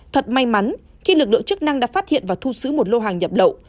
thật may mắn khi lực lượng chức năng đã phát hiện và thu giữ một lô hàng nhập lậu